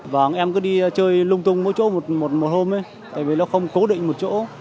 và em cứ đi chơi lung tung mỗi chỗ mùa hôm tại vì nó không cố định một chỗ